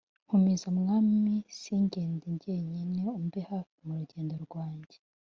Nkomeza Mwami singende jyenyine Umbe hafi mu rugendo rwanjye.